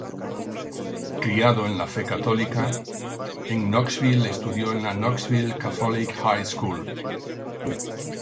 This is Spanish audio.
Criado en la fe católica, en Knoxville estudió en la Knoxville Catholic High School.